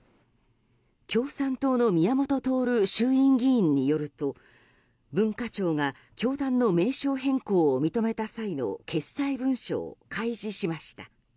共産党の宮本徹衆院議員によると文化庁が教団の名称変更を認めた際の決裁文書を開示しました。